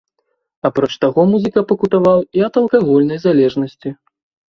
Апроч таго, музыка пакутаваў і ад алкагольнай залежнасці.